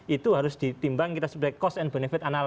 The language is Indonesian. itu harus ditimbang kita sebagai cost and benefit analog